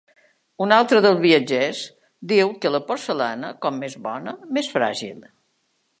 Un altre dels viatgers diu que la porcellana com més bona, més fràgil.